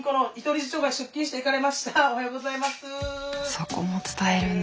そこも伝えるんだ。